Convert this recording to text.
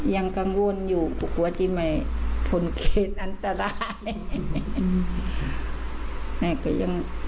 ยังกังวลอยู่ผมกลัวว่าที่ไม่ทนเขตนั้นจะร้าย